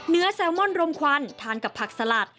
แซลมอนรมควันทานกับผักสลัด